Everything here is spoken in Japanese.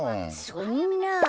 そんなあ。